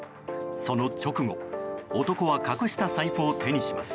その直後男は隠した財布を手にします。